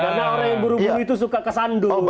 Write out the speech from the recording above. karena orang yang berhubung itu suka kesandu